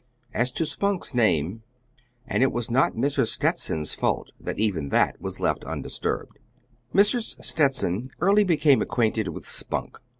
As to Spunk's name it was not Mrs. Stetson's fault that even that was left undisturbed. Mrs. Stetson early became acquainted with Spunk.